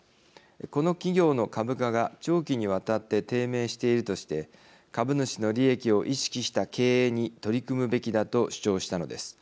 この企業の株価が長期にわたって低迷しているとして株主の利益を意識した経営に取り組むべきだと主張したのです。